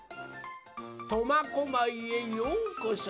苫小牧へようこそ！